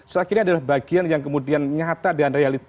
selepas ini adalah bagian yang kemudian nyata dan realit